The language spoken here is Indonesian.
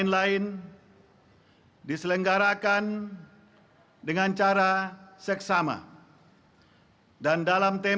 tanda kebesaran tutu